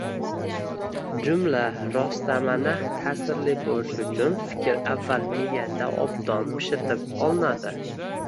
Jumla rostmana ta’sirli bo‘lishi uchun fikr avval miyada obdan pishitib olinadi.